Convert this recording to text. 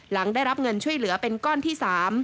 หลังได้รับเงินช่วยเหลือเป็นก้อนที่๓